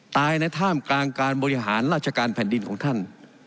ตายในท่ามกลางการบริหารราชการแผ่นดินของท่าน